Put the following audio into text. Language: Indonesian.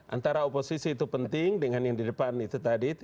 antara oposisi itu penting dengan yang di depan itu tadi